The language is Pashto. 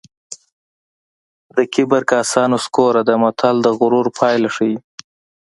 د کبر کاسه نسکوره ده متل د غرور پایله ښيي